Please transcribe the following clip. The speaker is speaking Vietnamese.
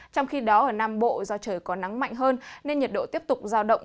trong khi đó ở nam bộ do trời có nắng mạnh hơn nên nhiệt độ tiếp tục giao động